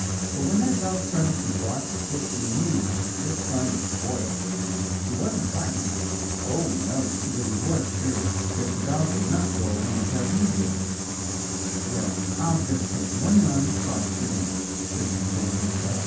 But when that dog started to bark Frisky knew that his fun was spoiled. He wasn't frightened. Oh, no! But he was sure that the dog would not go away until he did. "Well, I'll just take one run across the dam," Frisky said to himself.